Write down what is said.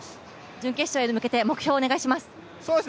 準決勝へ向けて、目標をお願いします。